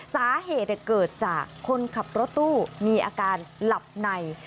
สาเหตุเกิดจากคนขับรถตู้มีอาการหลับใน